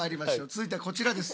続いてはこちらです。